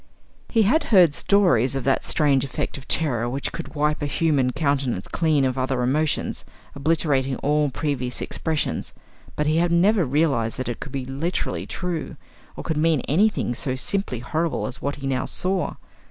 He had heard stories of that strange effect of terror which could wipe a human countenance clean of other emotions, obliterating all previous expressions; but he had never realised that it could be literally true, or could mean anything so simply horrible as what he now saw.